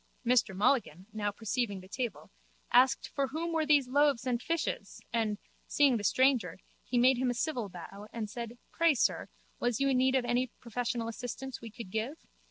Mr Mulligan, now perceiving the table, asked for whom were those loaves and fishes and, seeing the stranger, he made him a civil bow and said, Pray, sir, was you in need of any professional assistance we could give?